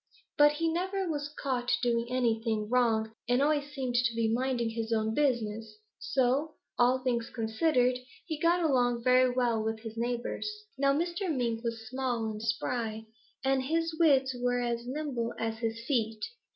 But he never was caught doing anything wrong and always seemed to be minding his own business, so, all things considered, he got along very well with his neighbors. "Now Mr. Mink was small and spry, and his wits were as nimble as his feet.